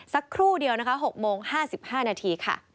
สักครู่เดียวนะคะ๖โมง๕๕นาทีค่ะ